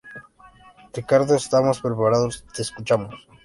Ricardo, estamos preparados, te escuchamos.